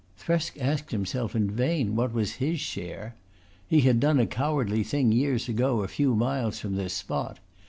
Thresk asked himself in vain what was his share. He had done a cowardly thing years ago a few miles from this spot.